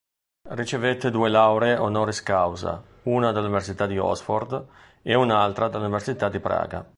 Ricevette due lauree honoris causa, una dall'Università di Oxford ed un'altra dall'Università di Praga.